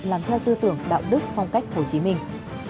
làm theo tư tưởng đạo đức phong cách hồ chí minh